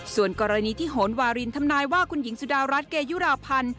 ส่วนกรณีที่โหนวารินทำนายว่าคุณหญิงสุดารัฐเกยุราพันธ์